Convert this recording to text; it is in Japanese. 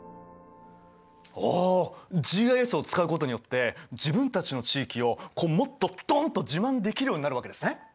おおＧＩＳを使うことによって自分たちの地域をもっとドンっと自慢できるようになるわけですね。